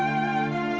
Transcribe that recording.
saya udah nggak peduli